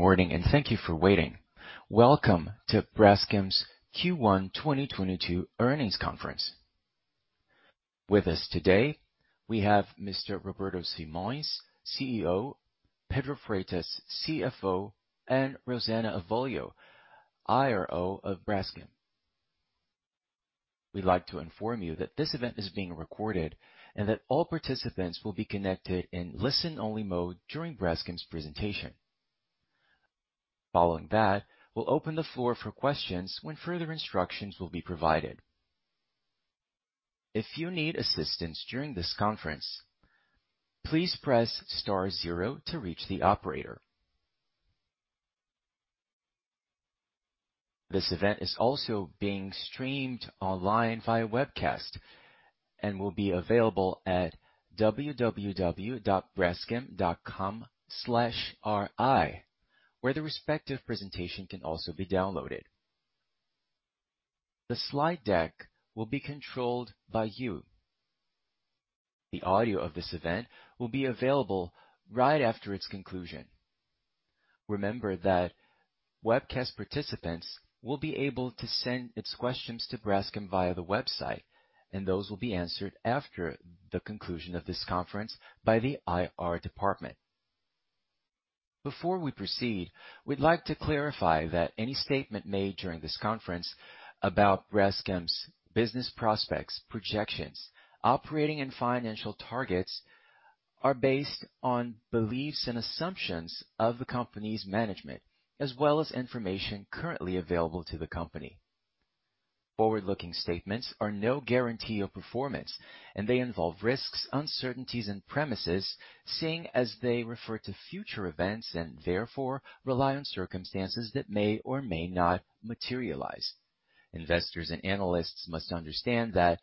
Morning, and thank you for waiting. Welcome to Braskem's Q1 2022 earnings conference. With us today we have Mr. Roberto Simões, CEO, Pedro Freitas, CFO, and Rosana Avolio, IRO of Braskem. We'd like to inform you that this event is being recorded and that all participants will be connected in listen-only mode during Braskem's presentation. Following that, we'll open the floor for questions when further instructions will be provided. If you need assistance during this conference, please press star 0 to reach the operator. This event is also being streamed online via webcast and will be available at www.braskem.com/ri, where the respective presentation can also be downloaded. The slide deck will be controlled by you. The audio of this event will be available right after its conclusion. Remember that webcast participants will be able to send its questions to Braskem via the website, and those will be answered after the conclusion of this conference by the IR department. Before we proceed, we'd like to clarify that any statement made during this conference about Braskem's business prospects, projections, operating and financial targets are based on beliefs and assumptions of the company's management, as well as information currently available to the company. Forward-looking statements are no guarantee of performance, and they involve risks, uncertainties, and premises, seeing as they refer to future events and therefore rely on circumstances that may or may not materialize. Investors and analysts must understand that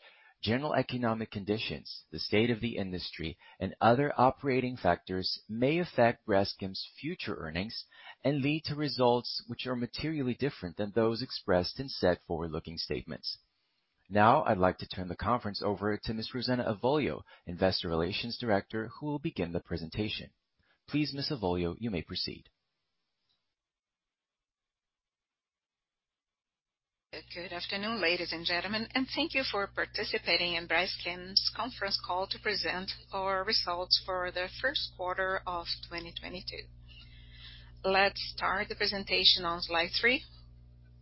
general economic conditions, the state of the industry, and other operating factors may affect Braskem's future earnings and lead to results which are materially different than those expressed in said forward-looking statements. Now I'd like to turn the conference over to Ms. Rosana Avolio, Investor Relations Director, who will begin the presentation. Please, Ms. Avolio, you may proceed. Good afternoon, ladies and gentlemen, and thank you for participating in Braskem's conference call to present our results for the Q1 of 2022. Let's start the presentation on slide 3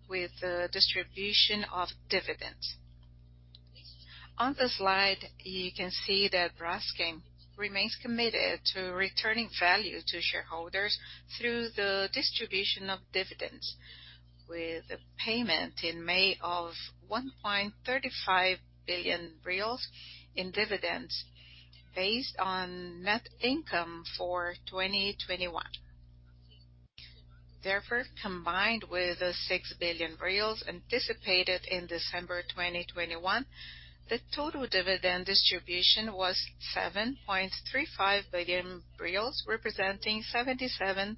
with the distribution of dividends. On the slide, you can see that Braskem remains committed to returning value to shareholders through the distribution of dividends, with payment in May of 1.35 billion reais in dividends based on net income for 2021. Therefore, combined with the 6 billion anticipated in December 2021, the total dividend distribution was 7.35 billion reais, representing 77.5%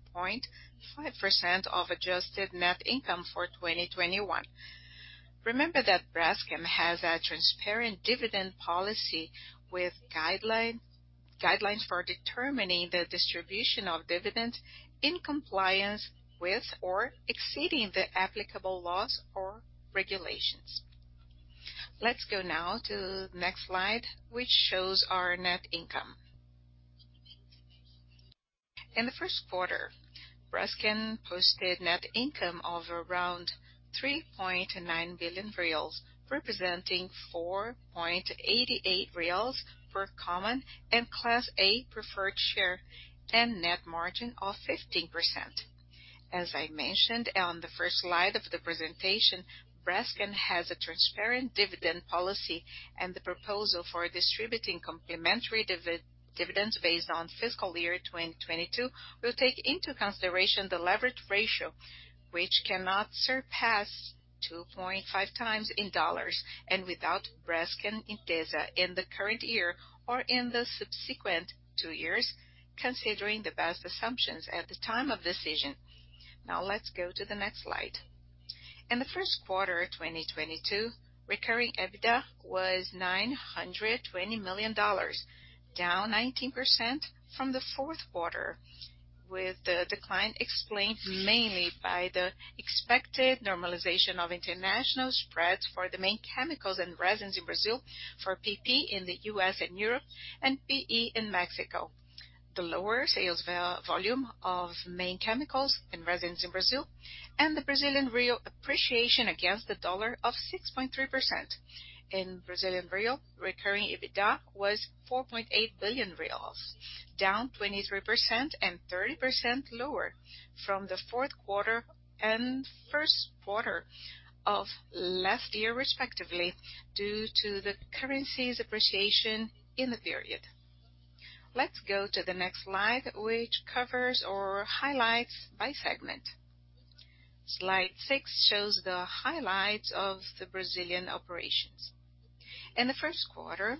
of adjusted net income for 2021. Remember that Braskem has a transparent dividend policy with guidelines for determining the distribution of dividends in compliance with or exceeding the applicable laws or regulations. Let's go now to the next slide, which shows our net income. In the Q1, Braskem posted net income of around 3.9 billion reais, representing 4.88 reais per common and Class A preferred share, and net margin of 15%. As I mentioned on the first slide of the presentation, Braskem has a transparent dividend policy, and the proposal for distributing complementary dividends based on fiscal year 2022 will take into consideration the leverage ratio, which cannot surpass 2.5x in dollars, and without Braskem Idesa in the current year or in the subsequent 2 years, considering the best assumptions at the time of decision. Now let's go to the next slide. In the Q1 2022, recurring EBITDA was $920 million, down 19% from the Q4, with the decline explained mainly by the expected normalization of international spreads for the main chemicals and resins in Brazil for PP in the U.S. and Europe and PE in Mexico. The lower sales volume of main chemicals and resins in Brazil and the Brazilian real appreciation against the dollar of 6.3%. In Brazilian reals, recurring EBITDA was 4.8 billion reais, down 23% and 30% lower from the Q4 and Q1 of last year, respectively, due to the currency's appreciation in the period. Let's go to the next slide, which covers our highlights by segment. Slide 6 shows the highlights of the Brazilian operations. In the Q1,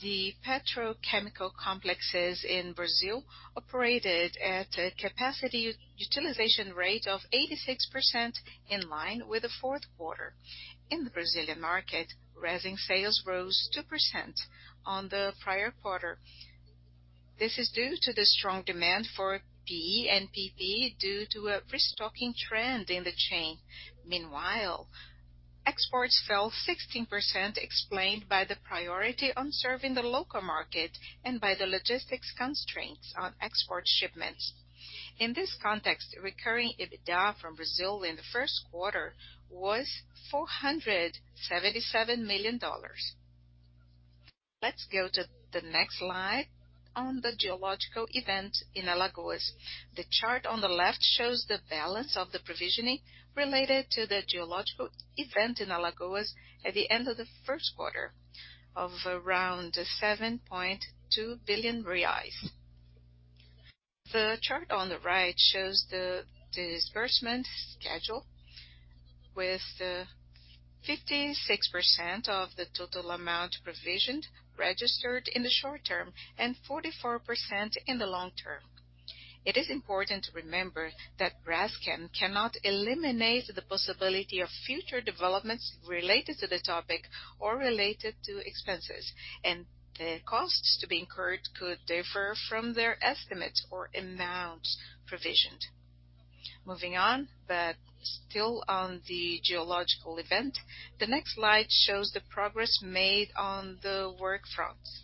the petrochemical complexes in Brazil operated at a capacity utilization rate of 86%, in line with the Q4. In the Brazilian market, resin sales rose 2% on the prior quarter. This is due to the strong demand for PE and PP due to a restocking trend in the chain. Meanwhile, exports fell 16% explained by the priority on serving the local market and by the logistics constraints on export shipments. In this context, recurring EBITDA from Brazil in the f was $477 million. Let's go to the next slide on the geological event in Alagoas. The chart on the left shows the balance of the provisioning related to the geological event in Alagoas at the end of the Q1 of around 7.2 billion reais. The chart on the right shows the disbursement schedule with 56% of the total amount provisioned registered in the short term and 44% in the long term. It is important to remember that Braskem cannot eliminate the possibility of future developments related to the topic or related to expenses, and the costs to be incurred could differ from their estimates or amounts provisioned. Moving on, but still on the geological event, the next slide shows the progress made on the work fronts.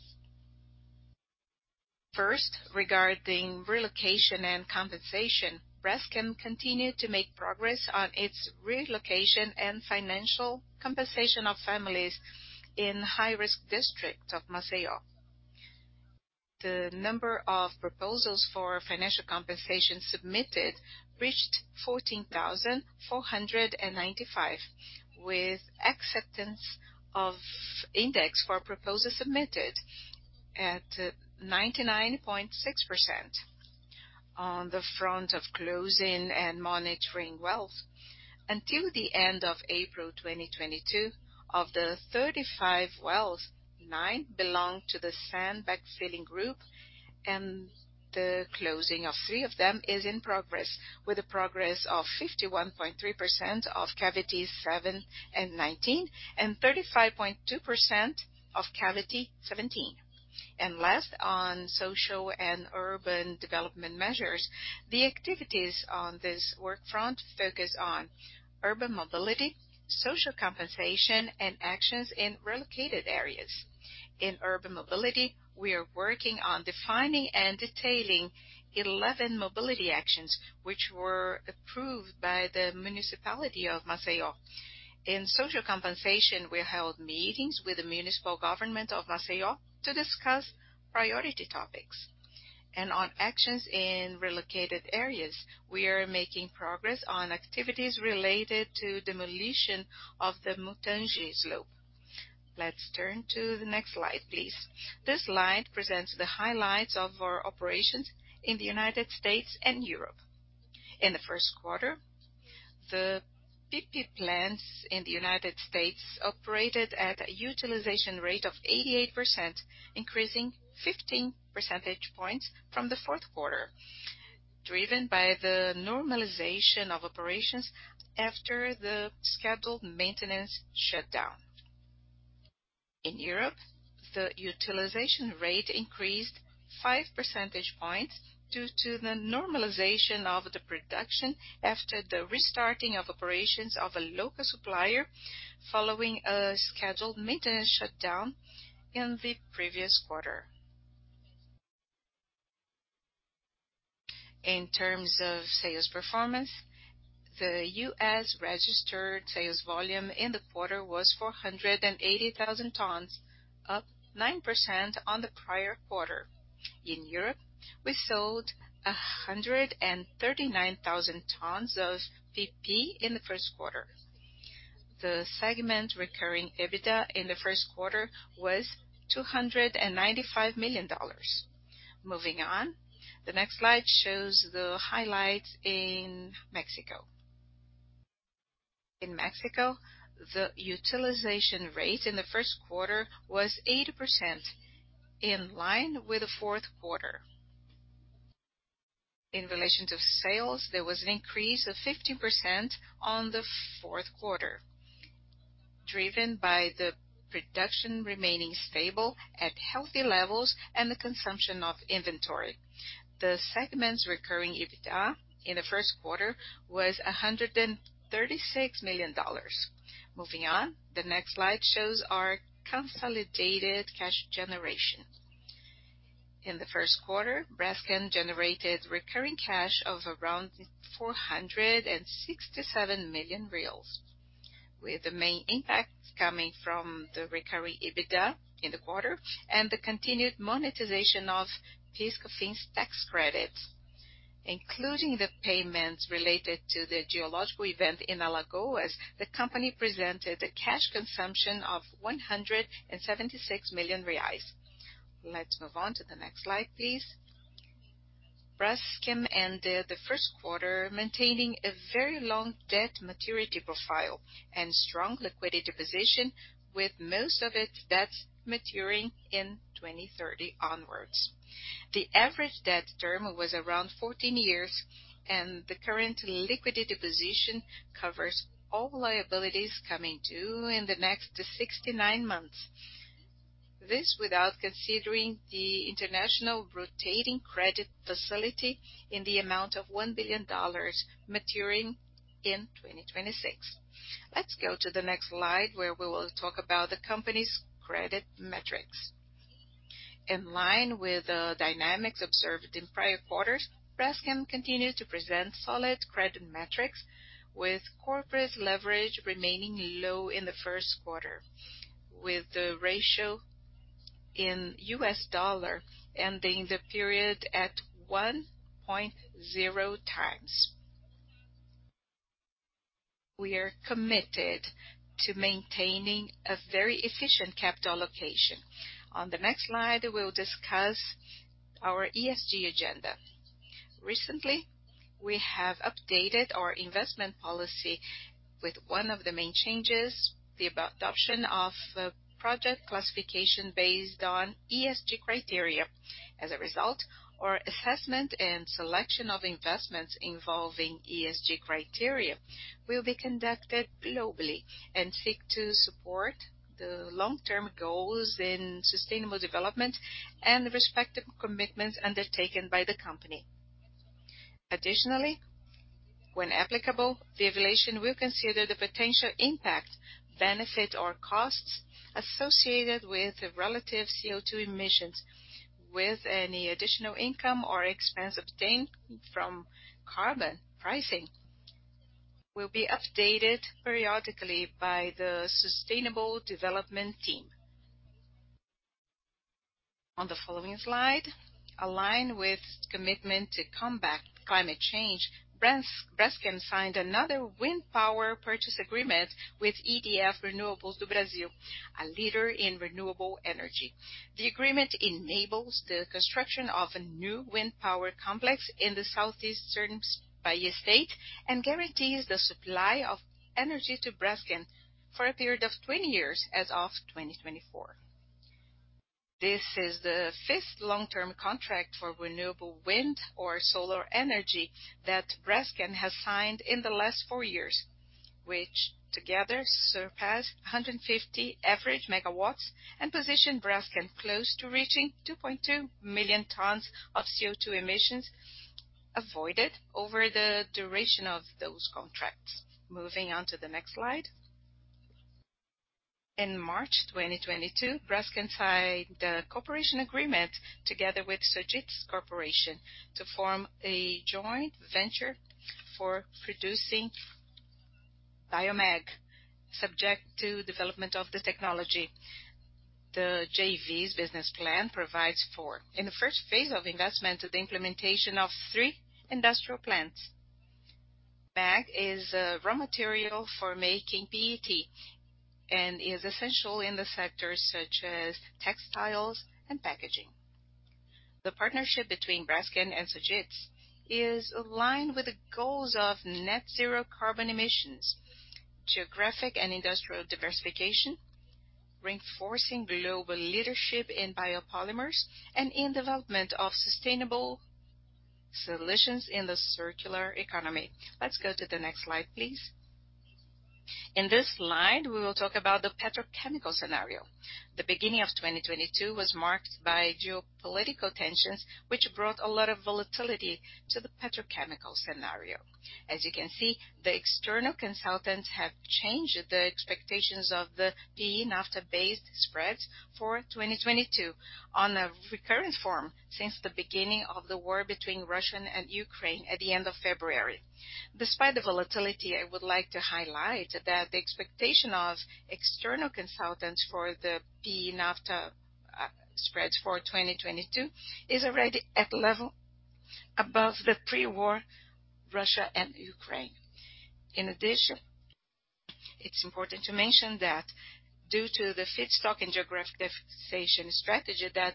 First, regarding relocation and compensation, Braskem continued to make progress on its relocation and financial compensation of families in high-risk districts of Maceió. The number of proposals for financial compensation submitted reached 14,495, with acceptance of index for proposals submitted at 99.6%. On the front of closing and monitoring wells, until the end of April 2022, of the 35 wells, 9 belong to the sand backfilling group, and the closing of 3 of them is in progress, with a progress of 51.3% of cavities 7 and 19, and 35.2% of cavity 17. Last, on social and urban development measures, the activities on this work front focus on urban mobility, social compensation, and actions in relocated areas. In urban mobility, we are working on defining and detailing 11 mobility actions which were approved by the municipality of Maceió. In social compensation, we held meetings with the municipal government of Maceió to discuss priority topics. On actions in relocated areas, we are making progress on activities related to demolition of the Mutange slope. Let's turn to the next slide, please. This slide presents the highlights of our operations in the United States and Europe. In the Q1, the PP plants in the United States operated at a utilization rate of 88%, increasing 15 percentage points from the Q4, driven by the normalization of operations after the scheduled maintenance shutdown. In Europe, the utilization rate increased 5 percentage points due to the normalization of the production after the restarting of operations of a local supplier following a scheduled maintenance shutdown in the previous quarter. In terms of sales performance, the US registered sales volume in the quarter was 480,000 tonnes, up 9% on the prior quarter. In Europe, we sold 139,000 tons of PP in the Q1. The segment recurring EBITDA in the Q1 was $295 million. Moving on, the next slide shows the highlights in Mexico. In Mexico, the utilization rate in the Q1 was 80%, in line with the Q4. In relations of sales, there was an increase of 15% on the Q4, driven by the production remaining stable at healthy levels and the consumption of inventory. The segment's recurring EBITDA in the Q1 was $136 million. Moving on, the next slide shows our consolidated cash generation. In the Q1, Braskem generated recurring cash of around 467 million reais, with the main impact coming from the recurring EBITDA in the quarter and the continued monetization of PIS/COFINS tax credits. Including the payments related to the geological event in Alagoas, the company presented a cash consumption of 176 million reais. Let's move on to the next slide, please. Braskem ended the Q1 maintaining a very long debt maturity profile and strong liquidity position with most of its debts maturing in 2030 onwards. The average debt term was around 14 years, and the current liquidity position covers all liabilities coming due in the next 69 months. This without considering the international rotating credit facility in the amount of $1 billion maturing in 2026. Let's go to the next slide, where we will talk about the company's credit metrics. In line with the dynamics observed in prior quarters, Braskem continues to present solid credit metrics, with corporate leverage remaining low in the Q1, with the ratio in U.S. dollar ending the period at 1.0x. We are committed to maintaining a very efficient capital allocation. On the next slide, we'll discuss our ESG agenda. Recently, we have updated our investment policy with 1 of the main changes, the adoption of project classification based on ESG criteria. As a result, our assessment and selection of investments involving ESG criteria will be conducted globally and seek to support the long-term goals in sustainable development and respective commitments undertaken by the company. Additionally, when applicable, the evaluation will consider the potential impact, benefit, or costs associated with the relative CO₂ emissions, with any additional income or expense obtained from carbon pricing will be updated periodically by the sustainable development team. On the following slide, aligned with commitment to combat climate change, Braskem signed another wind power purchase agreement with EDF Renewables do Brasil, a leader in renewable energy. The agreement enables the construction of a new wind power complex in the southeastern Bahia state and guarantees the supply of energy to Braskem for a period of 20 years as of 2024. This is the fifth long-term contract for renewable wind or solar energy that Braskem has signed in the last 4 years, which together surpass 150 average megawatts and position Braskem close to reaching 2.2 million tonnes of CO₂ emissions avoided over the duration of those contracts. Moving on to the next slide. In March 2022, Braskem signed a cooperation agreement together with Sojitz Corporation to form a joint venture for producing bioMEG, subject to development of the technology. The JV's business plan provides for, in the first phase of investment, the implementation of 3 industrial plants. MEG is a raw material for making PET and is essential in the sectors such as textiles and packaging. The partnership between Braskem and Sojitz is aligned with the goals of net zero carbon emissions, geographic and industrial diversification, reinforcing global leadership in biopolymers, and in development of sustainable solutions in the circular economy. Let's go to the next slide, please. In this slide, we will talk about the petrochemical scenario. The beginning of 2022 was marked by geopolitical tensions, which brought a lot of volatility to the petrochemical scenario. As you can see, the external consultants have changed the expectations of the PE/naphtha-based spreads for 2022 on a recurring basis since the beginning of the war between Russia and Ukraine at the end of February. Despite the volatility, I would like to highlight that the expectation of external consultants for the PE/Naphtha spreads for 2022 is already at level above the pre-war Russia and Ukraine. In addition, it's important to mention that due to the feedstock and geographic fixation strategy that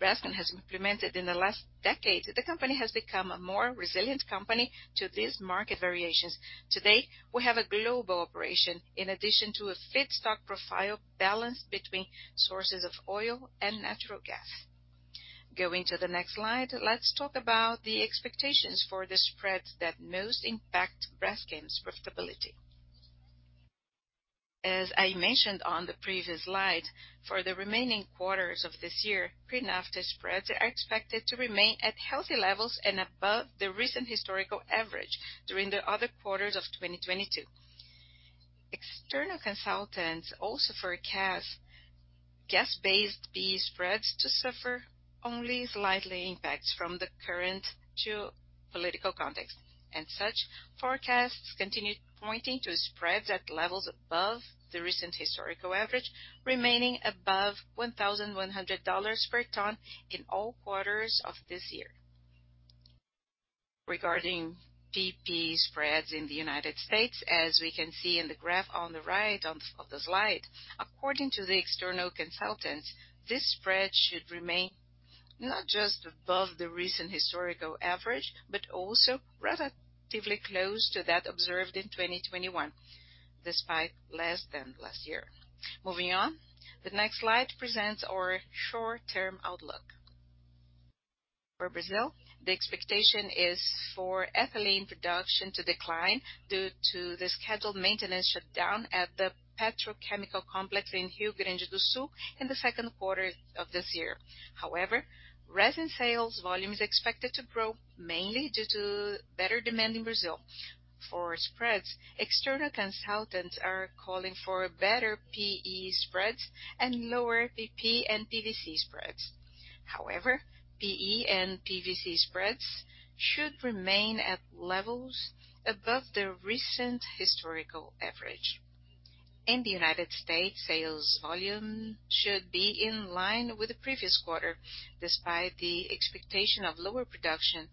Braskem has implemented in the last decade, the company has become a more resilient company to these market variations. Today, we have a global operation, in addition to a feedstock profile balanced between sources of oil and natural gas. Going to the next slide, let's talk about the expectations for the spreads that most impact Braskem's profitability. As I mentioned on the previous slide, for the remaining quarters of this year, PE/Naphtha spreads are expected to remain at healthy levels and above the recent historical average during the other quarters of 2022. External consultants also forecast gas-based PE spreads to suffer only slightly impacts from the current geopolitical context. Such forecasts continue pointing to spreads at levels above the recent historical average, remaining above $1,100 per ton in all quarters of this year. Regarding PP spreads in the United States, as we can see in the graph on the right of the slide, according to the external consultants, this spread should remain not just above the recent historical average, but also relatively close to that observed in 2021, despite less than last year. Moving on. The next slide presents our short-term outlook. For Brazil, the expectation is for ethylene production to decline due to the scheduled maintenance shutdown at the petrochemical complex in Rio Grande do Sul in the Q2 of this year. However, resin sales volume is expected to grow mainly due to better demand in Brazil. For spreads, external consultants are calling for better PE spreads and lower PP and PVC spreads. However, PE and PVC spreads should remain at levels above the recent historical average. In the United States, sales volume should be in line with the previous quarter, despite the expectation of lower production,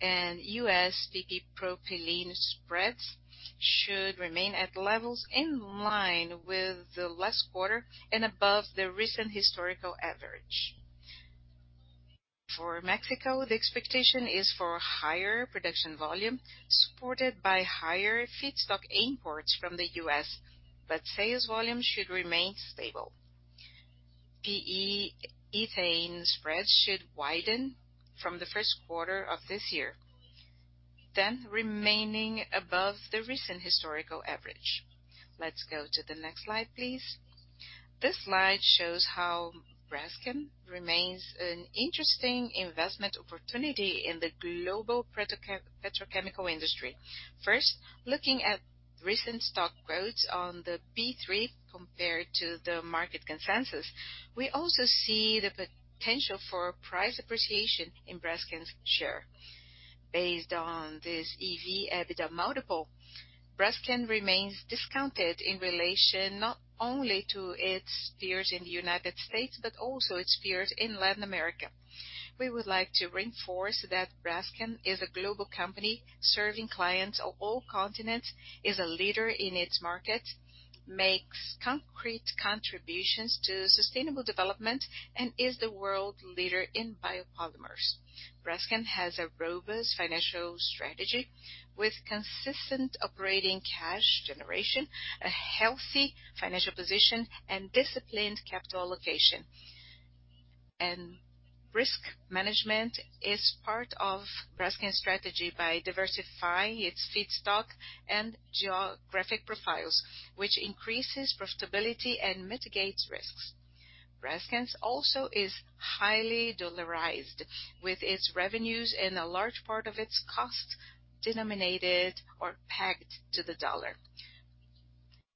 and US PP propylene spreads should remain at levels in line with the last quarter and above the recent historical average. For Mexico, the expectation is for higher production volume supported by higher feedstock imports from the US, but sales volume should remain stable. PE ethane spreads should widen from the Q1 of this year, then remaining above the recent historical average. Let's go to the next slide, please. This slide shows how Braskem remains an interesting investment opportunity in the global petrochemical industry. First, looking at recent stock quotes on the B3 compared to the market consensus. We also see the potential for price appreciation in Braskem's share. Based on this EV/EBITDA multiple, Braskem remains discounted in relation not only to its peers in the United States but also its peers in Latin America. We would like to reinforce that Braskem is a global company serving clients of all continents, is a leader in its market, makes concrete contributions to sustainable development, and is the world leader in biopolymers. Braskem has a robust financial strategy with consistent operating cash generation, a healthy financial position, and disciplined capital allocation. Risk management is part of Braskem's strategy by diversifying its feedstock and geographic profiles, which increases profitability and mitigates risks. Braskem also is highly dollarized with its revenues and a large part of its cost denominated or pegged to the dollar.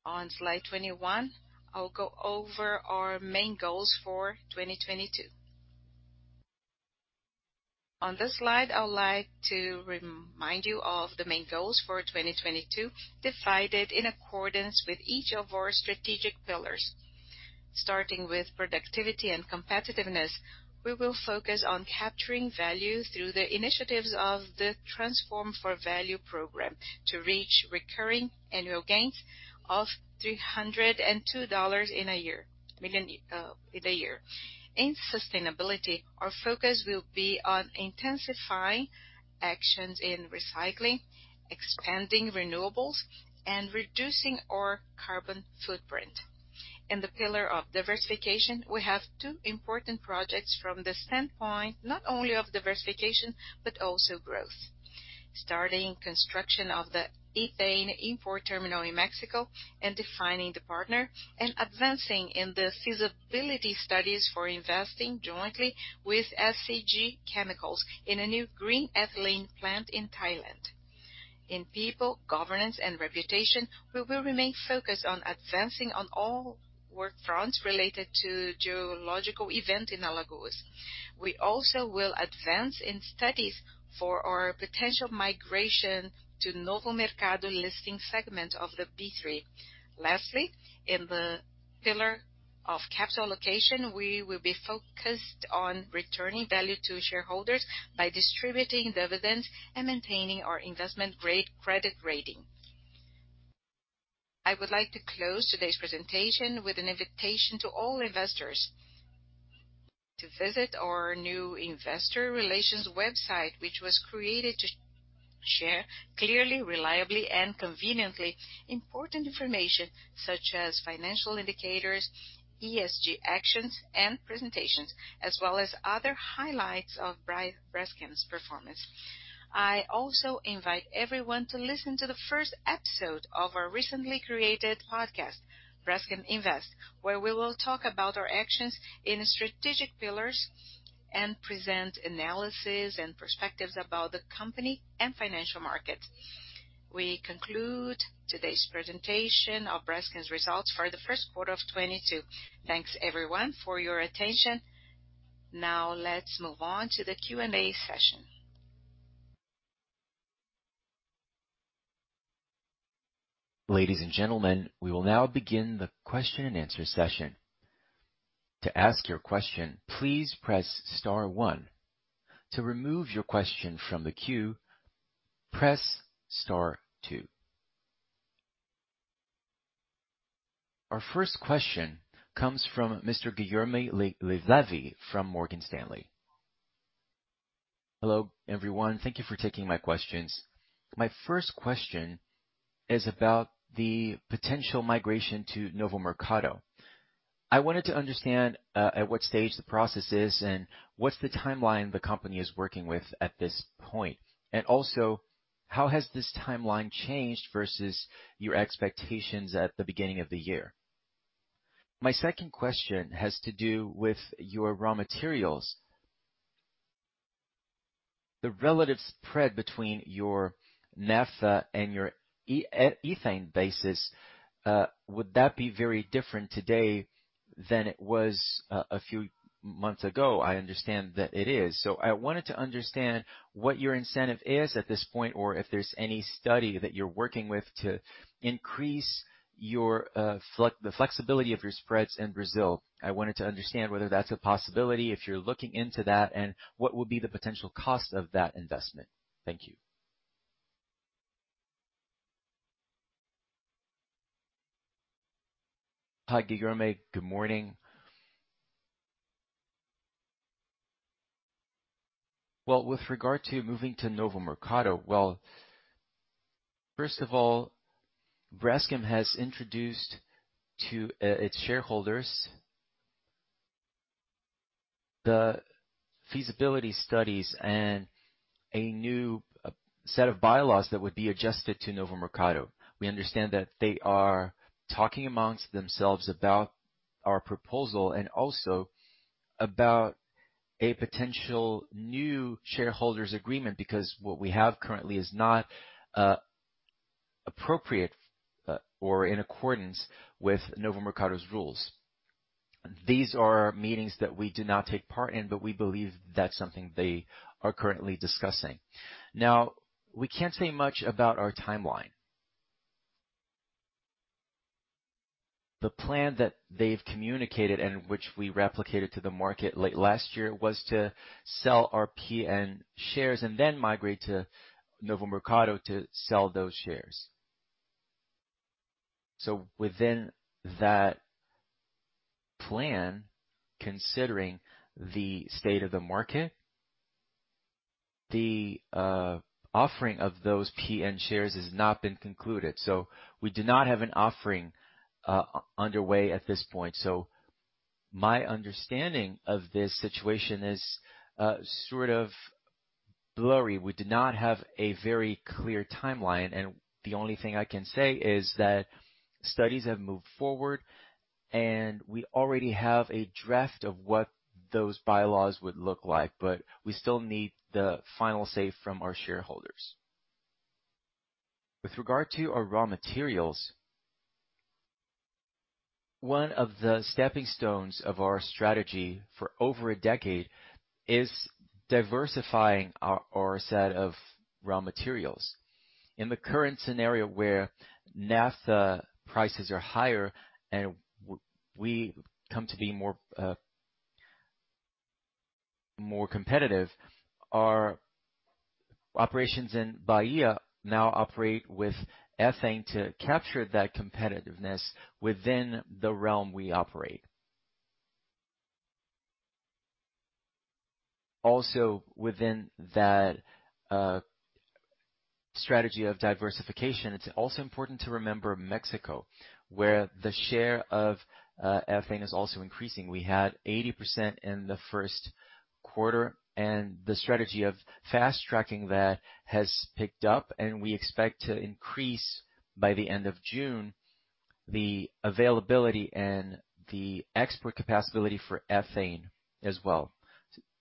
On slide 21, I'll go over our main goals for 2022. On this slide, I would like to remind you of the main goals for 2022, divided in accordance with each of our strategic pillars. Starting with productivity and competitiveness, we will focus on capturing value through the initiatives of the Transform for Value program to reach recurring annual gains of $302 million in a year. In sustainability, our focus will be on intensifying actions in recycling, expanding renewables, and reducing our carbon footprint. In the pillar of diversification, we have 2 important projects from the standpoint not only of diversification, but also growth. Starting construction of the ethane import terminal in Mexico and defining the partner and advancing in the feasibility studies for investing jointly with SCG Chemicals in a new green ethylene plant in Thailand. In people, governance, and reputation, we will remain focused on advancing on all work fronts related to geological event in Alagoas. We also will advance in studies for our potential migration to Novo Mercado listing segment of the B3. Lastly, in the pillar of capital allocation, we will be focused on returning value to shareholders by distributing dividends and maintaining our investment grade credit rating. I would like to close today's presentation with an invitation to all investors to visit our new investor relations website, which was created to share clearly, reliably, and conveniently important information such as financial indicators, ESG actions, and presentations, as well as other highlights of Braskem's performance. I also invite everyone to listen to the first episode of our recently created podcast, Braskem Invest, where we will talk about our actions in strategic pillars and present analysis and perspectives about the company and financial market. We conclude today's presentation of Braskem's results for the Q1 of 2022. Thanks everyone for your attention. Now let's move on to the Q&A session. Ladies and gentlemen, we will now begin the Q&A session. To ask your question, please press star 1. To remove your question from the queue, press star 2. Our first question comes from Mr. Guilherme Levy from Morgan Stanley. Hello, everyone. Thank you for taking my questions. My first question is about the potential migration to Novo Mercado. I wanted to understand at what stage the process is and what's the timeline the company is working with at this point. How has this timeline changed versus your expectations at the beginning of the year? My second question has to do with your raw materials. The relative spread between your naphtha and your ethane basis, would that be very different today than it was a few months ago? I understand that it is. I wanted to understand what your incentive is at this point, or if there's any study that you're working with to increase your flexibility of your spreads in Brazil. I wanted to understand whether that's a possibility, if you're looking into that, and what will be the potential cost of that investment. Thank you. Hi, Guilherme. Good morning. With regard to moving to Novo Mercado, first of all, Braskem has introduced to its shareholders the feasibility studies and a new set of bylaws that would be adjusted to Novo Mercado. We understand that they are talking amongst themselves about our proposal and also about a potential new shareholders agreement, because what we have currently is not appropriate or in accordance with Novo Mercado's rules. These are meetings that we do not take part in, but we believe that's something they are currently discussing. Now, we can't say much about our timeline. The plan that they've communicated, and which we replicated to the market last year, was to sell our PN shares and then migrate to Novo Mercado to sell those shares. Within that plan, considering the state of the market, the offering of those PN shares has not been concluded, so we do not have an offering underway at this point. My understanding of this situation is sort of blurry. We do not have a very clear timeline, and the only thing I can say is that studies have moved forward, and we already have a draft of what those bylaws would look like. We still need the final say from our shareholders. With regard to our raw materials, 1 of the stepping stones of our strategy for over a decade is diversifying our set of raw materials. In the current scenario where naphtha prices are higher and we come to be more competitive, our operations in Bahia now operate with ethane to capture that competitiveness within the realm we operate. Also within that strategy of diversification, it's also important to remember Mexico, where the share of ethane is also increasing. We had 80% in the Q1, and the strategy of fast-tracking that has picked up, and we expect to increase by the end of June the availability and the export capacity for ethane as well.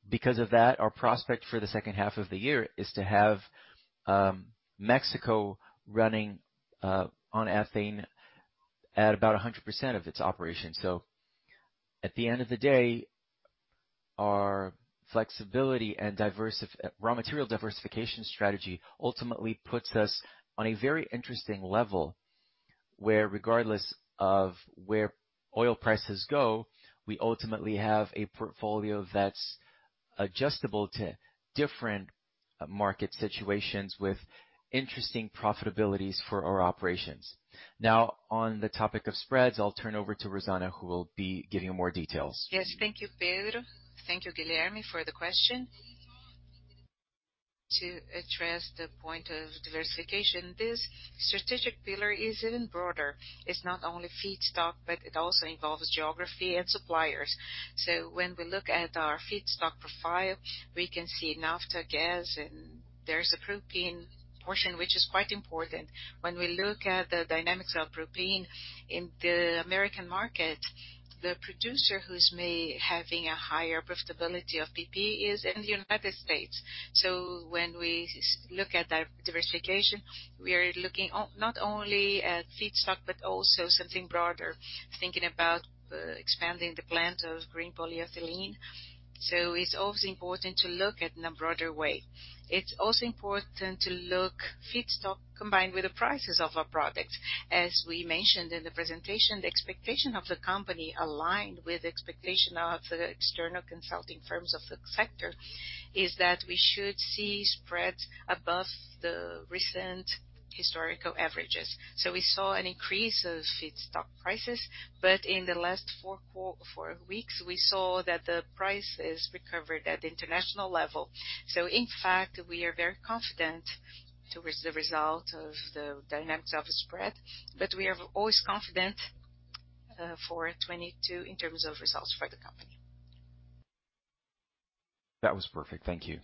Because of that, our prospect for the H2 of the year is to have Mexico running on ethane at about 100% of its operations. At the end of the day, our flexibility and raw material diversification strategy ultimately puts us on a very interesting level, where regardless of where oil prices go, we ultimately have a portfolio that's adjustable to different market situations with interesting profitabilities for our operations. Now, on the topic of spreads, I'll turn over to Rosana, who will be giving you more details. Yes. Thank you, Pedro. Thank you, Guilherme, for the question. To address the point of diversification, this strategic pillar is even broader. It's not only feedstock, but it also involves geography and suppliers. When we look at our feedstock profile, we can see naphtha, gas, and there's a propylene portion, which is quite important. When we look at the dynamics of propylene in the American market, the producer who's having a higher profitability of PP is in the United States. When we look at diversification, we are looking not only at feedstock but also something broader, thinking about expanding the plant of green polyethylene. It's always important to look at it in a broader way. It's also important to look at feedstock combined with the prices of our products. As we mentioned in the presentation, the expectation of the company aligned with expectation of the external consulting firms of the sector, is that we should see spreads above the recent historical averages. We saw an increase of feedstock prices. In the last 4 weeks, we saw that the prices recovered at international level. In fact, we are very confident towards the result of the dynamics of spread, but we are always confident. For 2022 in terms of results for the company. That was perfect. Thank you.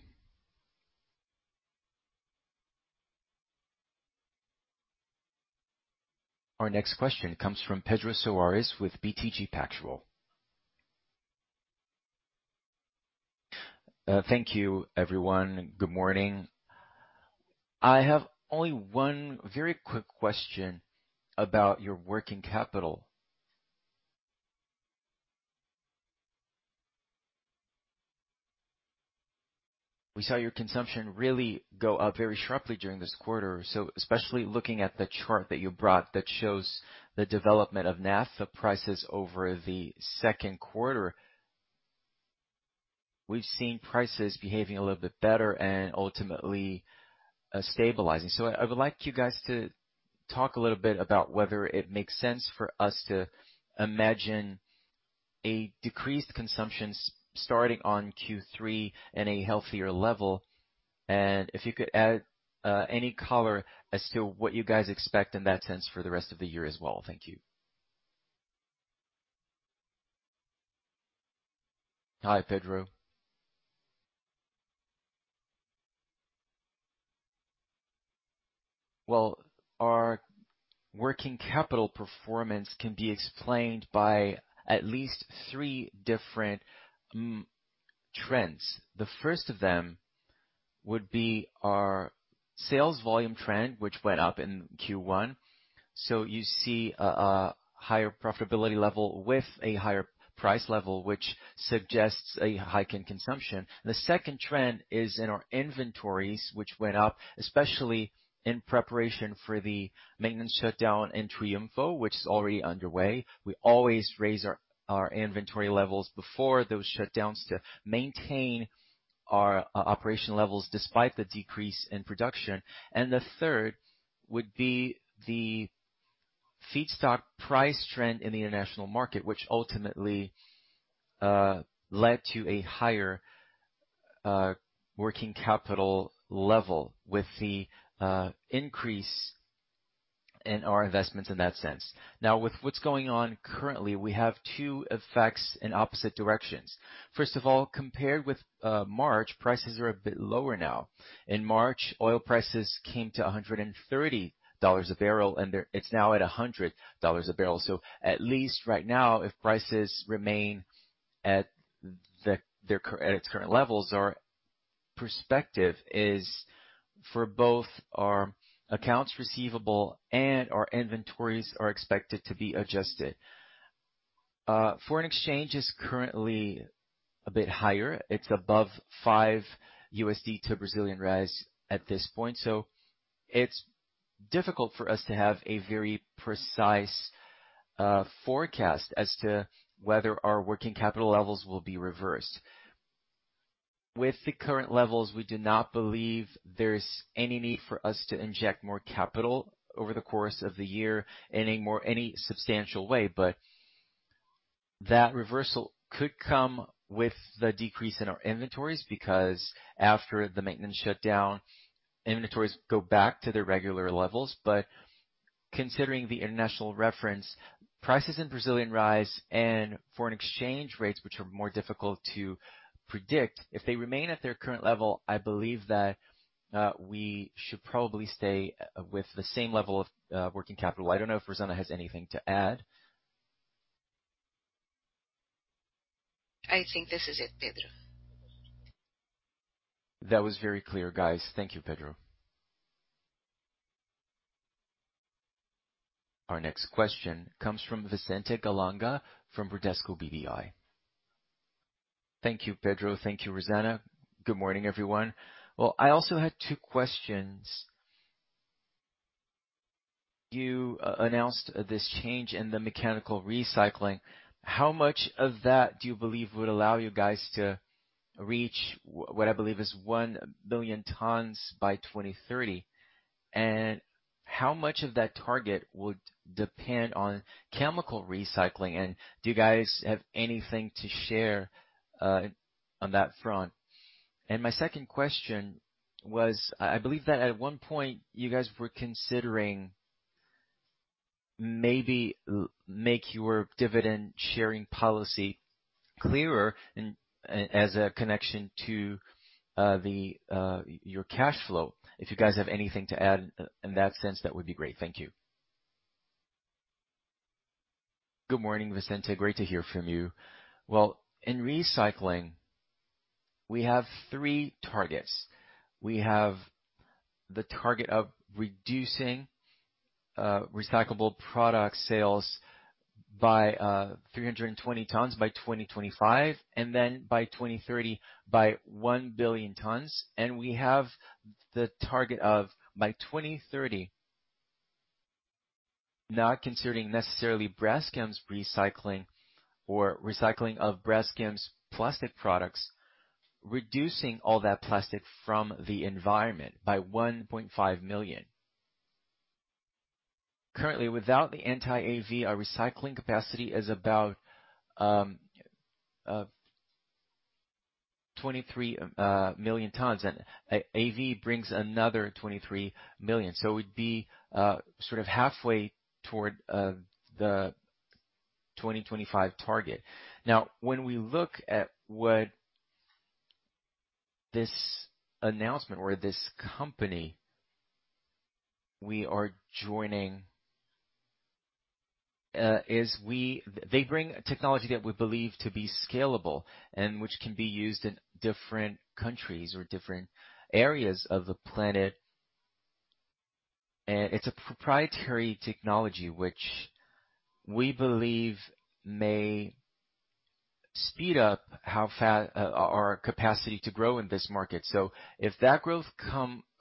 Our next question comes from Pedro Soares with BTG Pactual. Thank you, everyone. Good morning. I have only 1 very quick question about your working capital. We saw your consumption really go up very sharply during this quarter. Especially looking at the chart that you brought that shows the development of naphtha prices over the Q2. We've seen prices behaving a little bit better and ultimately, stabilizing. I would like you guys to talk a little bit about whether it makes sense for us to imagine a decreased consumption starting on Q3 at a healthier level. And if you could add, any color as to what you guys expect in that sense for the rest of the year as well. Thank you. Hi, Pedro. Well, our working capital performance can be explained by at least 3 different trends. The first of them would be our sales volume trend, which went up in Q1. You see a higher profitability level with a higher price level, which suggests a hike in consumption. The second trend is in our inventories, which went up especially in preparation for the maintenance shutdown in Triunfo, which is already underway. We always raise our inventory levels before those shutdowns to maintain our operational levels despite the decrease in production. The third would be the feedstock price trend in the international market, which ultimately led to a higher working capital level with the increase in our investments in that sense. Now, with what's going on currently, we have 2 effects in opposite directions. First of all, compared with March, prices are a bit lower now. In March, oil prices came to $130 a barrel, and it's now at $100 a barrel. At least right now, if prices remain at its current levels, our perspective is for both our accounts receivable and our inventories are expected to be adjusted. Foreign exchange is currently a bit higher. It's above 5 USD to BRL at this point. It's difficult for us to have a very precise forecast as to whether our working capital levels will be reversed. With the current levels, we do not believe there's any need for us to inject more capital over the course of the year in any substantial way. That reversal could come with the decrease in our inventories because after the maintenance shutdown, inventories go back to their regular levels. Considering the international reference, prices in Brazilian reais and foreign exchange rates, which are more difficult to predict, if they remain at their current level, I believe that we should probably stay with the same level of working capital. I don't know if Rosana has anything to add. I think this is it, Pedro. That was very clear, guys. Thank you, Pedro. Our next question comes from Vicente Falanga from Bradesco BBI. Thank you, Pedro. Thank you, Rosana. Good morning, everyone. Well, I also had 2 questions. You announced this change in the mechanical recycling. How much of that do you believe would allow you guys to reach what I believe is 1 million tons by 2030? How much of that target would depend on chemical recycling? Do you guys have anything to share on that front? My second question was, I believe that at 1 point you guys were considering maybe make your dividend sharing policy clearer and as a connection to your cash flow. If you guys have anything to add in that sense, that would be great. Thank you. Good morning, Vicente. Great to hear from you. Well, in recycling, we have 3 targets. We have the target of reducing recyclable product sales by 320 tons by 2025, and then by 2030 by 1 billion tons. We have the target of, by 2030, not considering necessarily Braskem's recycling or recycling of Braskem's plastic products, reducing all that plastic from the environment by 1.5 million. Currently, without the ABIPET, our recycling capacity is about 23 million tons and ANIPET brings another 23 million. We'd be sort of halfway toward the 2025 target. When we look at what this announcement or this company we are joining is, they bring technology that we believe to be scalable and which can be used in different countries or different areas of the planet. It's a proprietary technology which we believe may speed up our capacity to grow in this market. If that growth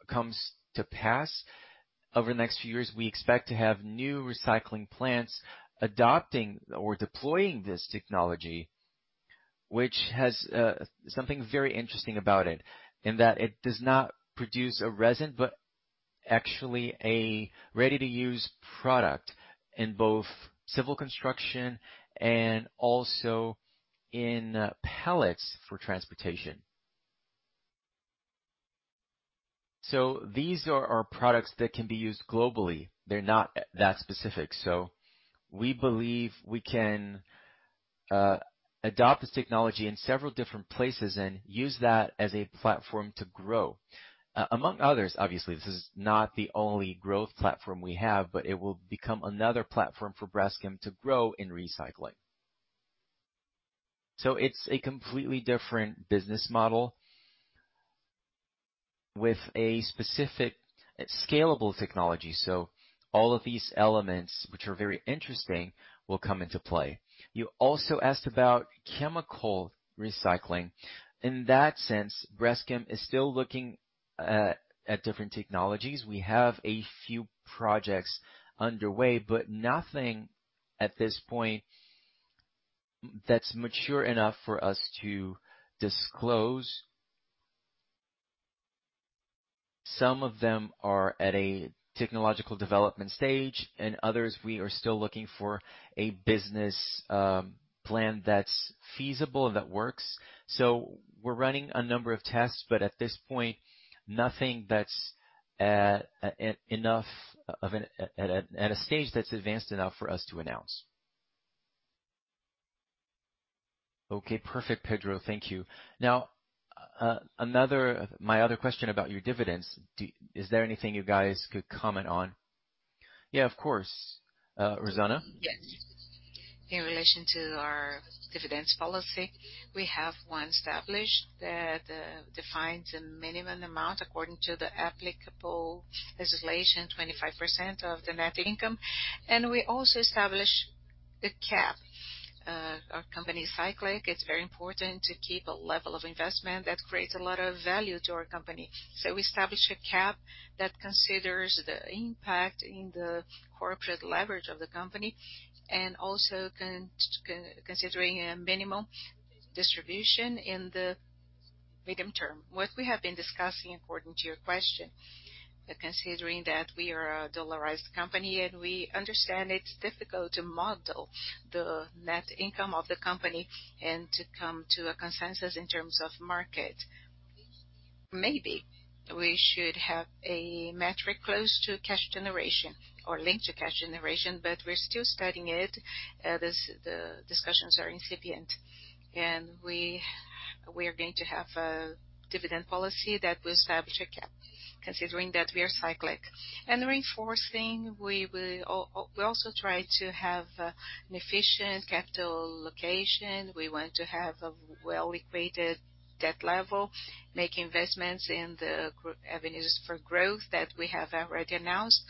comes to pass over the next few years, we expect to have new recycling plants adopting or deploying this technology, which has something very interesting about it, in that it does not produce a resin, but actually a ready-to-use product in both civil construction and also in pellets for transportation. These are our products that can be used globally. They're not that specific. We believe we can adopt this technology in several different places and use that as a platform to grow. Among others, obviously, this is not the only growth platform we have, but it will become another platform for Braskem to grow in recycling. It's a completely different business model with a specific scalable technology. All of these elements, which are very interesting, will come into play. You also asked about chemical recycling. In that sense, Braskem is still looking at different technologies. We have a few projects underway, but nothing at this point that's mature enough for us to disclose. Some of them are at a technological development stage, and others, we are still looking for a business plan that's feasible and that works. We're running a number of tests, but at this point, nothing that's at a stage that's advanced enough for us to announce. Okay, perfect, Pedro. Thank you. Now, my other question about your dividends. Is there anything you guys could comment on? Yeah, of course. Rosana? Yes. In relation to our dividends policy, we have 1 established that defines a minimum amount according to the applicable legislation, 25% of the net income. We also establish a cap. Our company is cyclical. It's very important to keep a level of investment that creates a lot of value to our company. We establish a cap that considers the impact in the corporate leverage of the company and also considering a minimum distribution in the medium term. What we have been discussing, according to your question, considering that we are a dollarized company, and we understand it's difficult to model the net income of the company and to come to a consensus in terms of market. Maybe we should have a metric close to cash generation or linked to cash generation, but we're still studying it. The discussions are incipient. We are going to have a dividend policy that will establish a cap, considering that we are cyclical. Reinforcing, we will also try to have an efficient capital allocation. We want to have a well-equated debt level, make investments in the growth avenues for growth that we have already announced,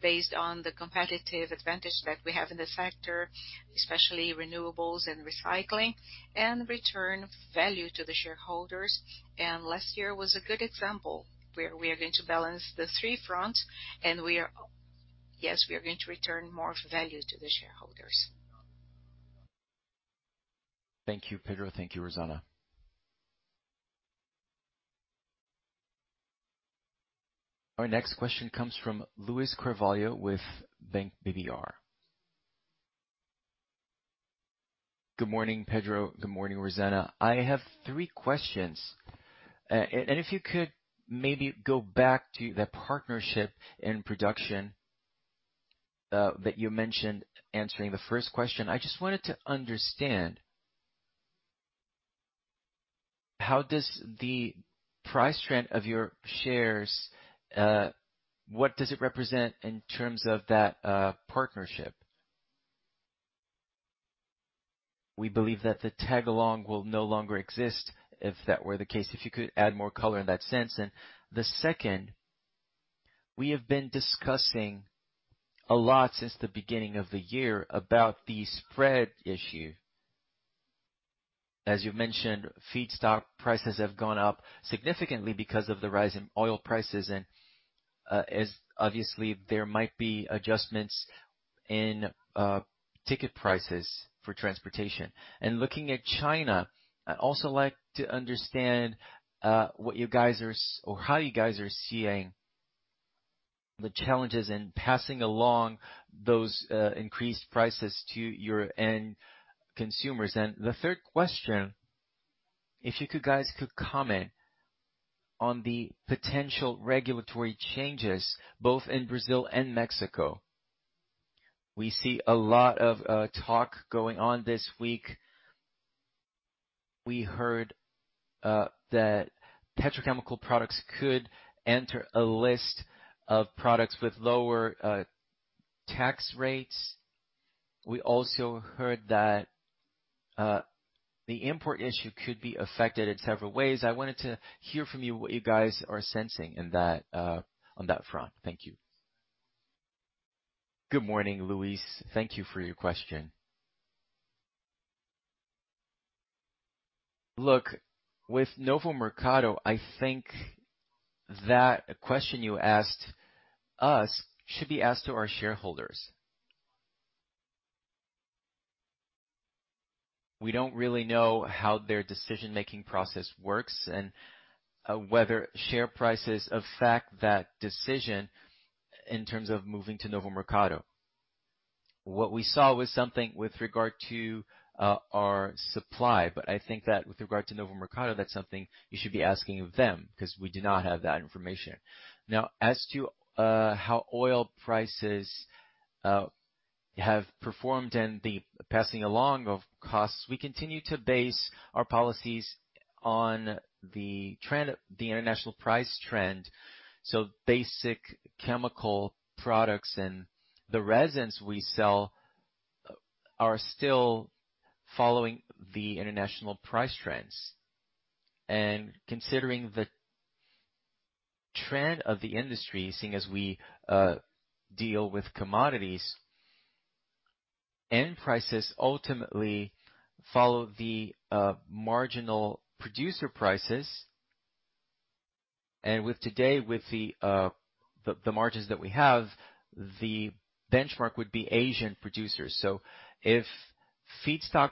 based on the competitive advantage that we have in the sector, especially renewables and recycling, and return value to the shareholders. Last year was a good example, where we are going to balance the 3 fronts, and we are going to return more value to the shareholders. Thank you, Pedro. Thank you, Rosana. Our next question comes from Luiz Carvalho with UBS. Good morning, Pedro. Good morning, Rosana. I have 3 questions. And if you could maybe go back to the partnership and production that you mentioned answering the first question. I just wanted to understand. How does the price trend of your shares, what does it represent in terms of that partnership? We believe that the tag-along will no longer exist if that were the case. If you could add more color in that sense. The second, we have been discussing a lot since the beginning of the year about the spread issue. As you mentioned, feedstock prices have gone up significantly because of the rise in oil prices and, as obviously there might be adjustments in ticket prices for transportation. Looking at China, I'd also like to understand what you guys are or how you guys are seeing the challenges in passing along those increased prices to your end consumers. The third question, if you could guys comment on the potential regulatory changes both in Brazil and Mexico. We see a lot of talk going on this week. We heard that petrochemical products could enter a list of products with lower tax rates. We also heard that the import issue could be affected in several ways. I wanted to hear from you what you guys are sensing in that on that front. Thank you. Good morning, Luiz. Thank you for your question. Look, with Novo Mercado, I think that question you asked us should be asked to our shareholders. We don't really know how their decision-making process works and whether share prices affect that decision in terms of moving to Novo Mercado. What we saw was something with regard to our supply, but I think that with regard to Novo Mercado, that's something you should be asking of them 'cause we do not have that information. Now, as to how oil prices have performed and the passing along of costs, we continue to base our policies on the trend, the international price trend. Basic chemical products and the resins we sell are still following the international price trends. Considering the trend of the industry, seeing as we deal with commodities, end prices ultimately follow the marginal producer prices. With the margins that we have, the benchmark would be Asian producers. If feedstock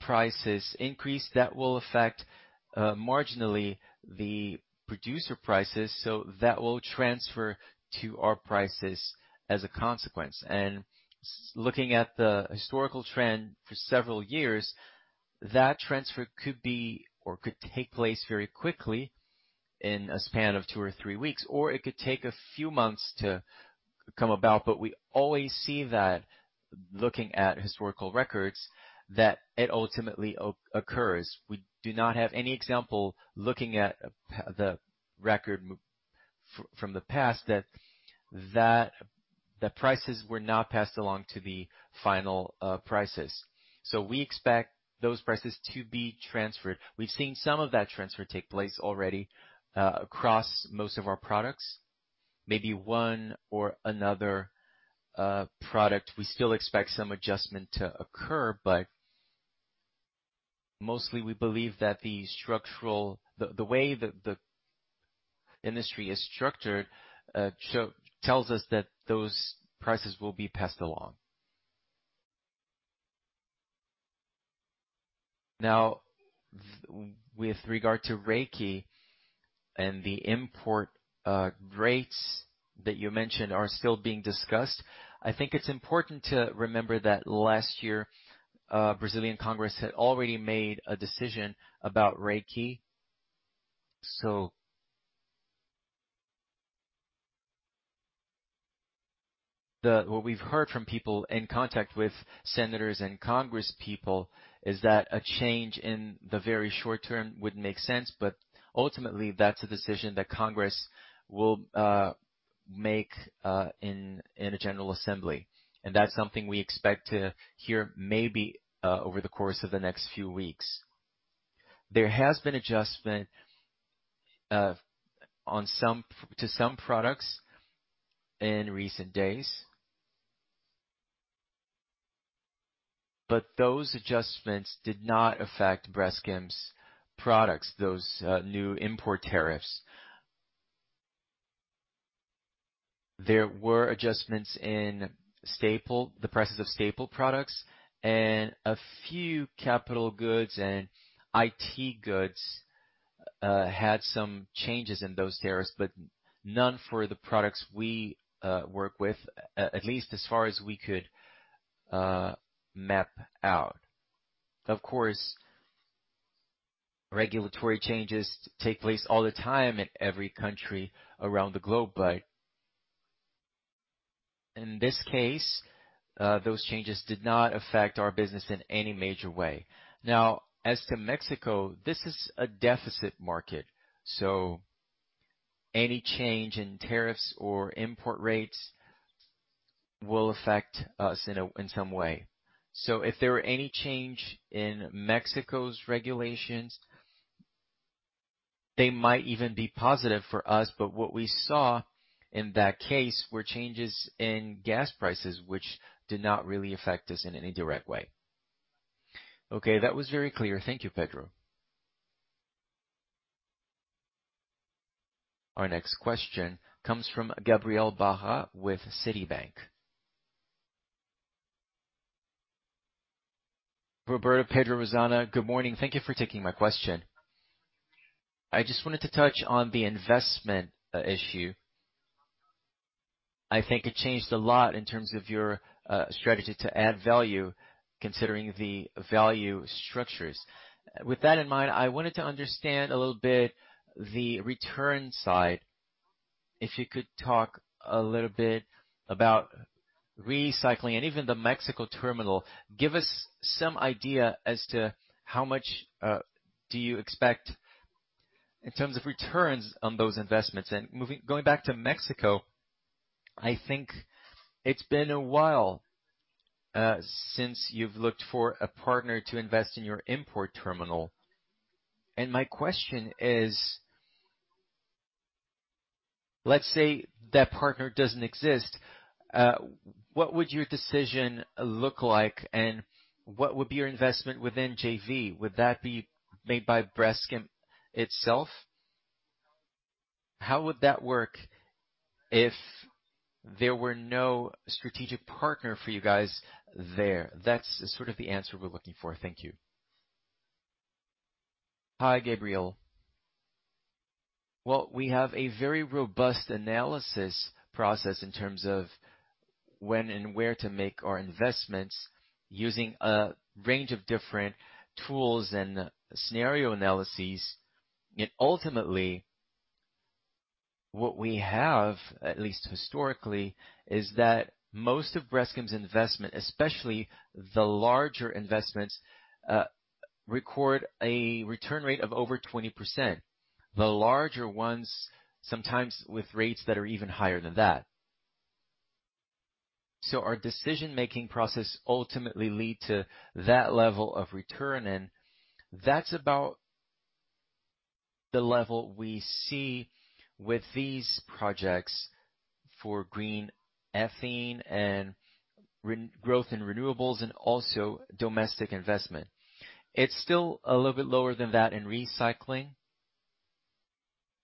prices increase, that will affect marginally the producer prices, so that will transfer to our prices as a consequence. Looking at the historical trend for several years, that transfer could be or could take place very quickly in a span of 2 or 3 weeks, or it could take a few months to come about. We always see that looking at historical records, that it ultimately occurs. We do not have any example, looking at the record from the past, that the prices were not passed along to the final prices. We expect those prices to be transferred. We've seen some of that transfer take place already across most of our products. Maybe 1 or another product, we still expect some adjustment to occur, but mostly we believe that the structural. The way the industry is structured tells us that those prices will be passed along. Now, with regard to REIQ and the import rates that you mentioned are still being discussed, I think it's important to remember that last year Brazilian Congress had already made a decision about REIQ. What we've heard from people in contact with senators and Congress people is that a change in the very short term would make sense, but ultimately that's a decision that Congress will make in a general assembly. That's something we expect to hear maybe over the course of the next few weeks. There has been adjustment to some products in recent days. Those adjustments did not affect Braskem's products, those new import tariffs. There were adjustments in staple, the prices of staple products and a few capital goods and IT goods, had some changes in those tariffs, but none for the products we work with, at least as far as we could map out. Of course, regulatory changes take place all the time in every country around the globe, but in this case, those changes did not affect our business in any major way. Now, as to Mexico, this is a deficit market, so any change in tariffs or import rates will affect us in some way. If there were any change in Mexico's regulations, they might even be positive for us, but what we saw in that case were changes in gas prices, which did not really affect us in any direct way. Okay. That was very clear. Thank you, Pedro. Our next question comes from Gabriel Barra with Citi. Roberto, Pedro, Rosana. Good morning. Thank you for taking my question. I just wanted to touch on the investment issue. I think it changed a lot in terms of your strategy to add value considering the value structures. With that in mind, I wanted to understand a little bit the return side. If you could talk a little bit about recycling and even the Mexico terminal. Give us some idea as to how much do you expect in terms of returns on those investments. Going back to Mexico, I think it's been a while since you've looked for a partner to invest in your import terminal. My question is, let's say that partner doesn't exist, what would your decision look like and what would be your investment within JV? Would that be made by Braskem itself? How would that work if there were no strategic partner for you guys there? That's sort of the answer we're looking for. Thank you. Hi, Gabriel. Well, we have a very robust analysis process in terms of when and where to make our investments using a range of different tools and scenario analyses. Ultimately, what we have, at least historically, is that most of Braskem's investment, especially the larger investments, record a return rate of over 20%, the larger ones sometimes with rates that are even higher than that. Our decision-making process ultimately lead to that level of return, and that's about the level we see with these projects for green ethylene and growth in renewables and also domestic investment. It's still a little bit lower than that in recycling.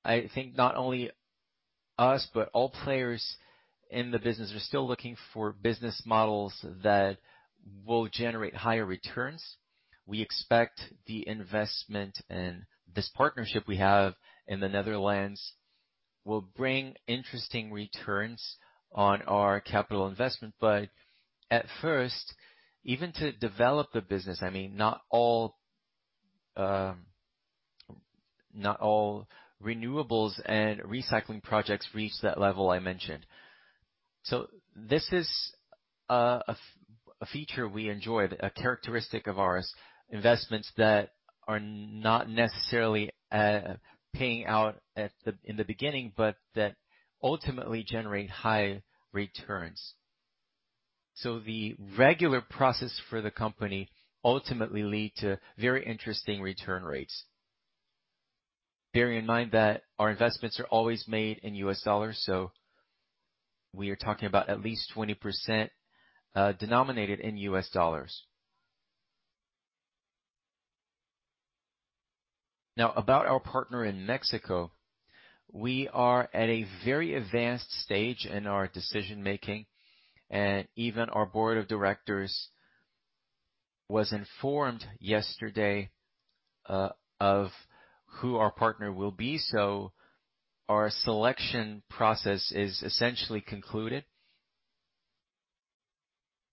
I think not only us, but all players in the business are still looking for business models that will generate higher returns. We expect the investment and this partnership we have in the Netherlands will bring interesting returns on our capital investment. At first, even to develop the business, I mean, not all renewables and recycling projects reach that level I mentioned. This is a feature we enjoyed, a characteristic of ours, investments that are not necessarily paying out in the beginning, but that ultimately generate high returns. The regular process for the company ultimately lead to very interesting return rates. Bearing in mind that our investments are always made in US dollars, so we are talking about at least 20% denominated in US dollars. Now, about our partner in Mexico, we are at a very advanced stage in our decision-making, and even our board of directors was informed yesterday of who our partner will be. Our selection process is essentially concluded.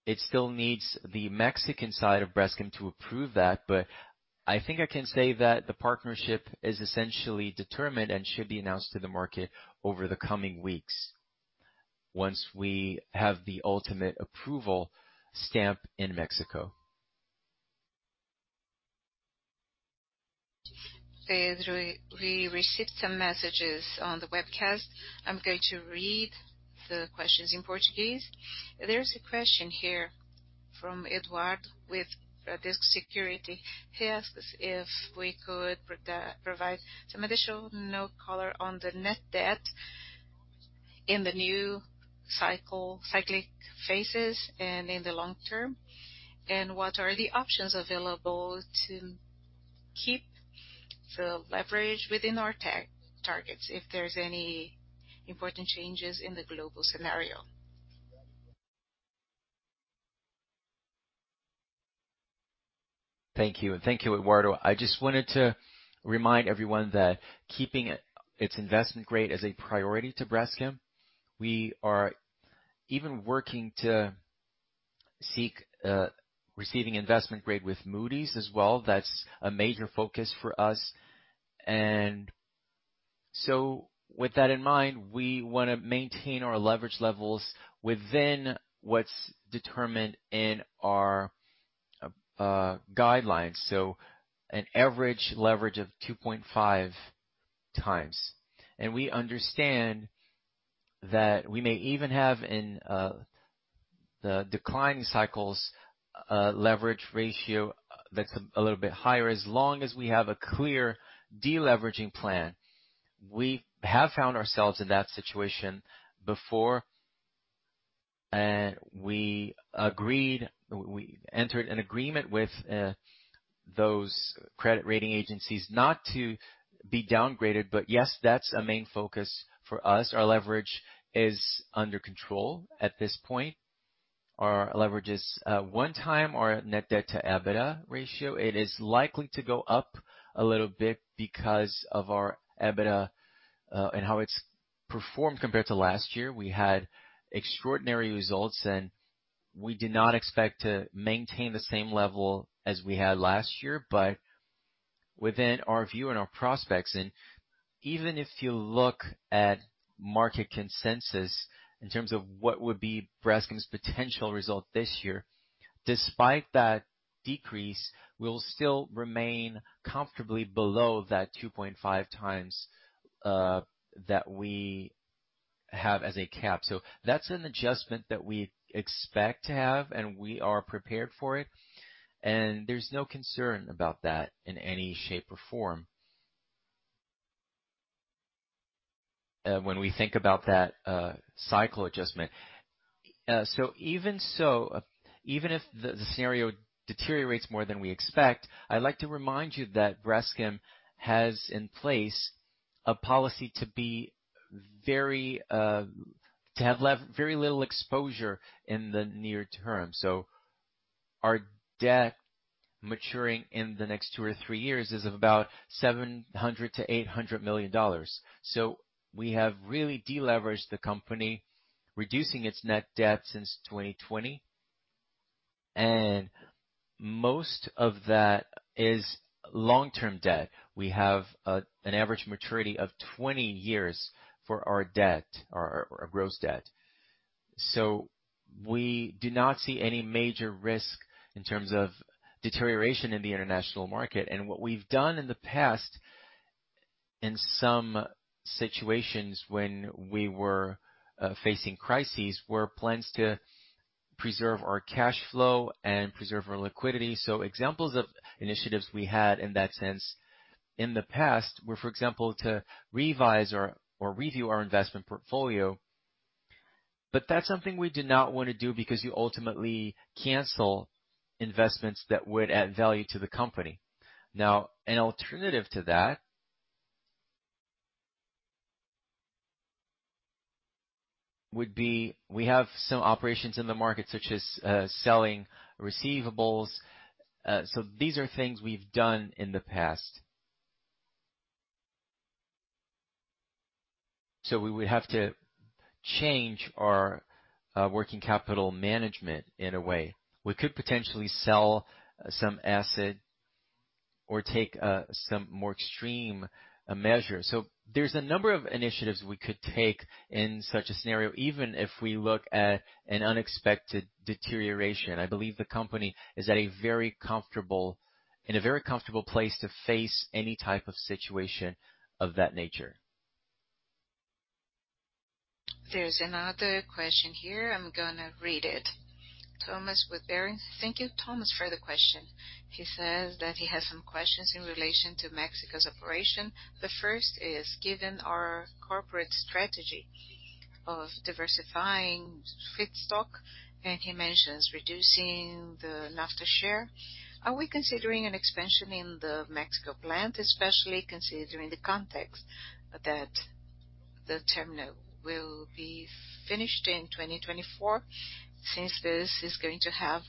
It still needs the Mexican side of Braskem to approve that, but I think I can say that the partnership is essentially determined and should be announced to the market over the coming weeks once we have the ultimate approval stamp in Mexico. Pedro, we received some messages on the webcast. I'm going to read the questions in Portuguese. There's a question here from Eduardo with Bradesco Securities. He asks if we could provide some additional color on the net debt in the new cyclic phases and in the long term, and what are the options available to keep the leverage within our target if there's any important changes in the global scenario. Thank you. Thank you, Eduardo. I just wanted to remind everyone that keeping its investment grade is a priority to Braskem. We are even working to seek receiving investment grade with Moody's as well. That's a major focus for us. With that in mind, we wanna maintain our leverage levels within what's determined in our guidelines, so an average leverage of 2.5x. We understand that we may even have the declining cycles leverage ratio that's a little bit higher, as long as we have a clear deleveraging plan. We have found ourselves in that situation before, and we entered an agreement with those credit rating agencies not to be downgraded. Yes, that's a main focus for us. Our leverage is under control at this point. Our leverage is 1x our net debt to EBITDA ratio. It is likely to go up a little bit because of our EBITDA and how it's performed compared to last year. We had extraordinary results, and we did not expect to maintain the same level as we had last year, but within our view and our prospects. Even if you look at market consensus in terms of what would be Braskem's potential result this year, despite that decrease, we'll still remain comfortably below that 2.5x that we have as a cap. That's an adjustment that we expect to have, and we are prepared for it, and there's no concern about that in any shape or form. When we think about that cycle adjustment. Even so, even if the scenario deteriorates more than we expect, I'd like to remind you that Braskem has in place a policy to have very little exposure in the near term. Our debt maturing in the next 2 or 3 years is about $700 million-$800 million. We have really deleveraged the company, reducing its net debt since 2020, and most of that is long-term debt. We have an average maturity of 20 years for our debt or our gross debt. We do not see any major risk in terms of deterioration in the international market. What we've done in the past, in some situations when we were facing crises, were plans to preserve our cash flow and preserve our liquidity. Examples of initiatives we had in that sense in the past were, for example, to revise or review our investment portfolio. That's something we did not want to do because you ultimately cancel investments that would add value to the company. Now, an alternative to that would be we have some operations in the market, such as selling receivables. These are things we've done in the past. We would have to change our working capital management in a way. We could potentially sell some asset or take some more extreme measures. There's a number of initiatives we could take in such a scenario, even if we look at an unexpected deterioration. I believe the company is in a very comfortable place to face any type of situation of that nature. There's another question here. I'm gonna read it. Thomas with Barings. Thank you, Thomas, for the question. He says that he has some questions in relation to Mexico's operation. The first is, given our corporate strategy of diversifying feedstock, and he mentions reducing the naphtha share, are we considering an expansion in the Mexico plant, especially considering the context that the terminal will be finished in 2024, since this is going to have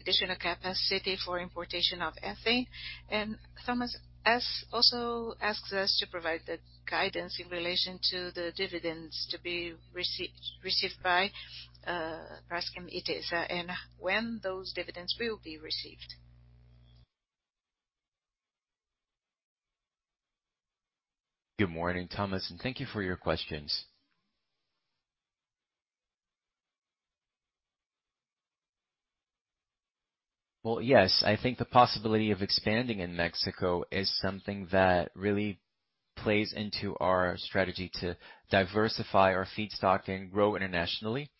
additional capacity for importation of ethane? And Thomas also asks us to provide the guidance in relation to the dividends to be received by Braskem Idesa, and when those dividends will be received. Good morning, Thomas, and thank you for your questions. Well, yes, I think the possibility of expanding in Mexico is something that really plays into our strategy to diversify our feedstock and grow internationally.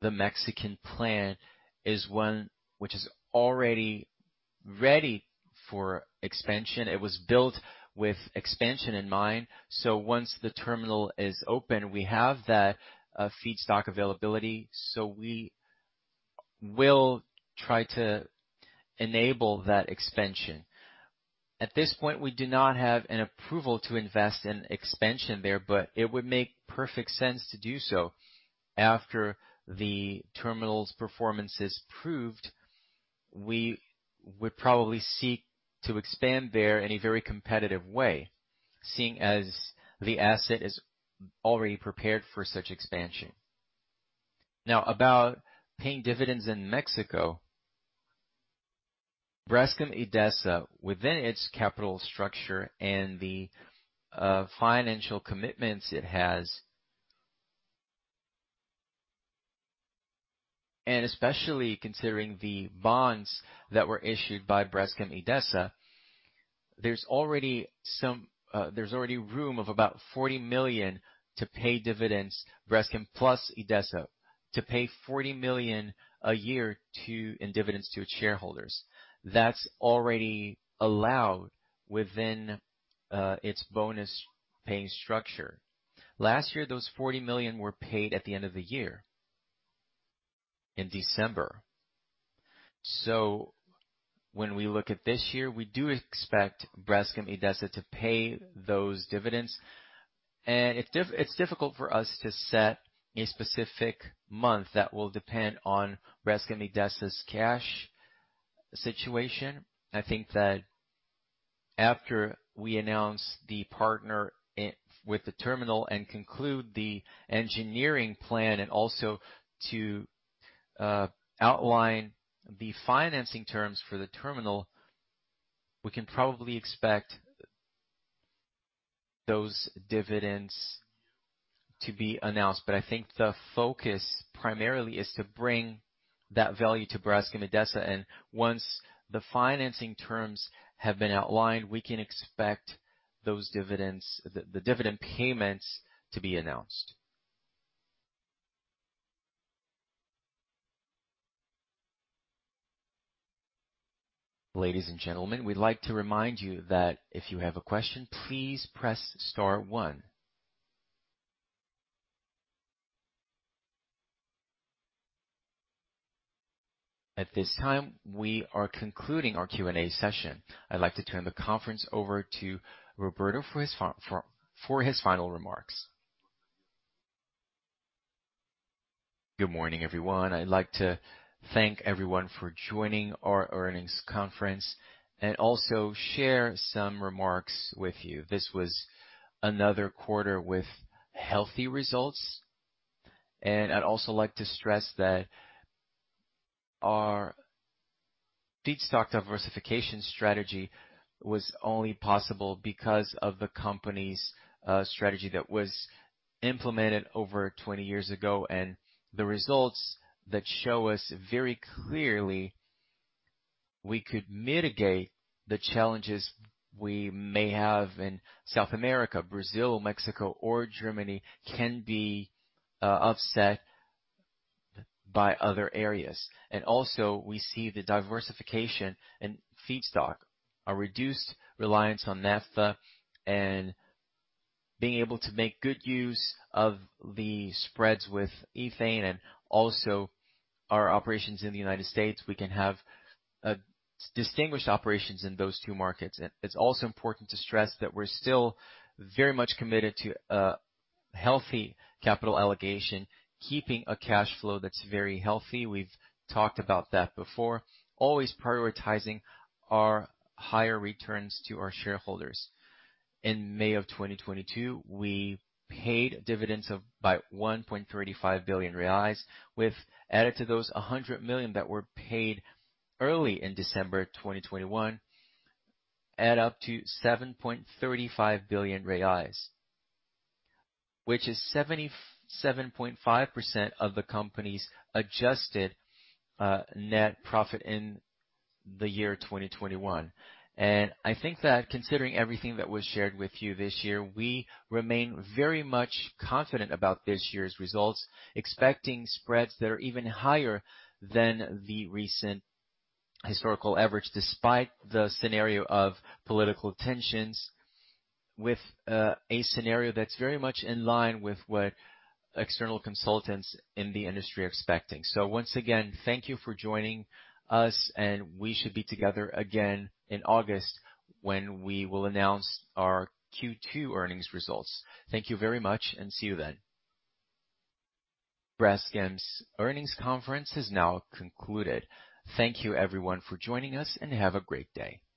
The Mexican plant is 1 which is already ready for expansion. It was built with expansion in mind. Once the terminal is open, we have that feedstock availability, so we will try to enable that expansion. At this point, we do not have an approval to invest in expansion there, but it would make perfect sense to do so. After the terminal's performance is proved, we would probably seek to expand there in a very competitive way, seeing as the asset is already prepared for such expansion. Now, about paying dividends in Mexico. Braskem Idesa, within its capital structure and the financial commitments it has. Especially considering the bonds that were issued by Braskem Idesa, there's already room of about 40 million to pay dividends, Braskem Idesa, to pay 40 million a year in dividends to its shareholders. That's already allowed within its bond-paying structure. Last year, those 40 million were paid at the end of the year, in December. When we look at this year, we do expect Braskem Idesa to pay those dividends. It's difficult for us to set a specific month that will depend on Braskem Idesa's cash situation. I think that after we announce the partner with the terminal and conclude the engineering plan and also to outline the financing terms for the terminal, we can probably expect those dividends to be announced. I think the focus primarily is to bring that value to Braskem Idesa. Once the financing terms have been outlined, we can expect those dividends, the dividend payments to be announced. Ladies and gentlemen, we'd like to remind you that if you have a question, please press star one. At this time, we are concluding our Q&A session. I'd like to turn the conference over to Roberto for his final remarks. Good morning, everyone. I'd like to thank everyone for joining our earnings conference and also share some remarks with you. This was another quarter with healthy results, and I'd also like to stress that our feedstock diversification strategy was only possible because of the company's strategy that was implemented over 20 years ago, and the results that show us very clearly we could mitigate the challenges we may have in South America. Brazil, Mexico or Germany can be offset by other areas. Also we see the diversification in feedstock, a reduced reliance on naphtha, and being able to make good use of the spreads with ethane and also our operations in the United States. We can have, distinguished operations in those 2 markets. It's also important to stress that we're still very much committed to a healthy capital allocation, keeping a cash flow that's very healthy. We've talked about that before. Always prioritizing our higher returns to our shareholders. In May 2022, we paid dividends of 1.35 billion reais, which added to those 100 million that were paid early in December 2021, add up to 7.35 billion reais, which is 75.5% of the company's adjusted net profit in the year 2021. I think that considering everything that was shared with you this year, we remain very much confident about this year's results, expecting spreads that are even higher than the recent historical average despite the scenario of political tensions with a scenario that's very much in line with what external consultants in the industry are expecting. Once again, thank you for joining us, and we should be together again in August when we will announce our Q2 earnings results. Thank you very much and see you then. Braskem's earnings conference has now concluded. Thank you everyone for joining us, and have a great day.